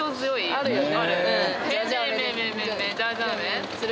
あるよね。